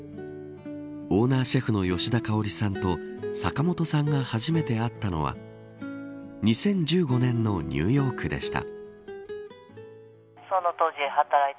オーナーシェフの吉田香織さんと坂本さんが初めて会ったのは２０１５年のニューヨークでした。